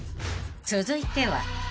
［続いては］